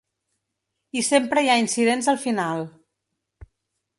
I sempre hi ha incidents al final.